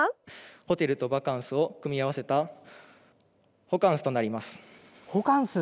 ホテルとバカンスを組み合わせたホカンスとなります。